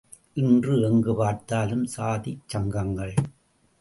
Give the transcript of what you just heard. இன்று எங்கு பார்த்தாலும் சாதிச் சங்கங்கள்!